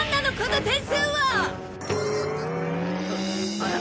あら？